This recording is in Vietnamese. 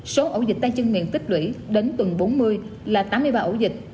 số ổ dịch tay chân miệng tích lũy đến tuần bốn mươi là tám mươi ba ổ dịch